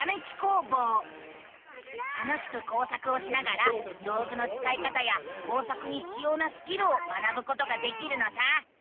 楽しく工作をしながら道ぐのつかい方や工作にひつようなスキルを学ぶことができるのさ！